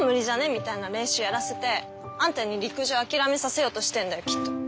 みたいな練習やらせてあんたに陸上諦めさせようとしてんだよきっと。